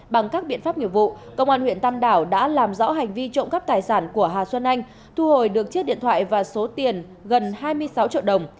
bằng các biện pháp nghiệp vụ công an huyện tam đảo đã làm rõ hành vi trộm cắp tài sản của hà xuân anh thu hồi được chiếc điện thoại và số tiền gần hai mươi sáu triệu đồng